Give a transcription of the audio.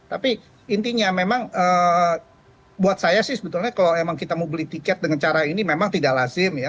tapi intinya memang buat saya sih sebetulnya kalau memang kita mau beli tiket dengan cara ini memang tidak lazim ya